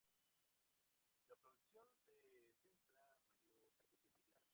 La producción se centra mayoritariamente en el maíz y la caña de azúcar.